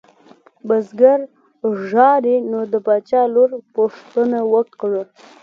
بزګر ژاړي نو د باچا لور پوښتنه وکړه.